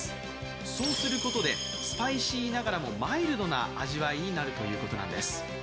そうすることでスパイシーながらもマイルドな味わいになるということなんです。